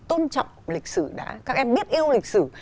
tôn trọng lịch sử đã các em biết yêu lịch sử